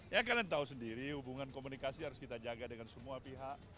ya kalian tahu sendiri hubungan komunikasi harus kita jaga dengan semua pihak